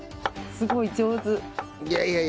すごい上手。